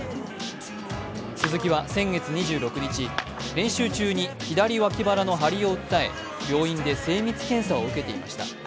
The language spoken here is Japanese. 鈴木は先月２６日、練習中に左脇腹の張りを訴え病院で精密検査を受けていました。